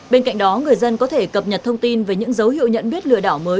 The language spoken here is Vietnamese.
bên cạnh đó người dân có thể cập nhật thông tin về những dấu hiệu nhận biết lừa đảo mới